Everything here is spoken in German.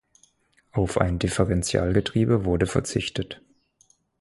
Auf ein Differentialgetriebe wurde verzichtet.